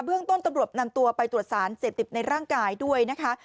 เรื่องต้นตำรวจนำตัวไปตรวจสารเสพติดในร่างกายด้วยนะคะ